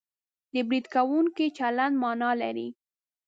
د برید کوونکي چلند مانا لري